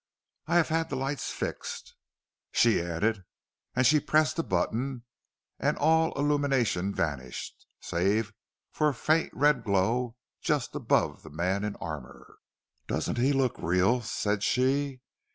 "I have had the lights fixed," she added. And she pressed a button, and all illumination vanished, save for a faint red glow just above the man in armour. "Doesn't he look real?" said she.